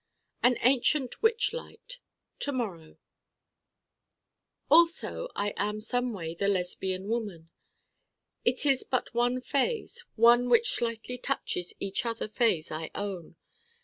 An ancient witch light To morrow Also I am someway the Lesbian woman. It is but one phase one which slightly touches each other phase I own.